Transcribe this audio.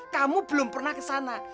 kamu belum pernah ke sana